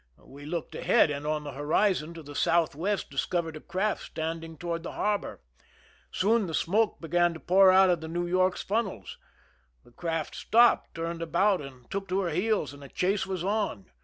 "We looked ahead, 'i and on the horizon to the southwest discovered a { craft standing toward the harbor. Soon the smoke j' began to pour out of the New Yorh^s funnels. The j craft stopped, turned about, and took to her heels, I and a chase was on.